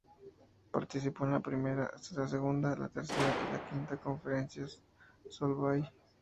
Participó en la primera, la segunda, la tercera y la quinta Conferencias Solvay.